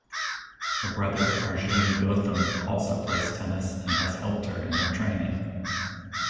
Her brother Arjun Goutham also plays tennis and has helped her in her training.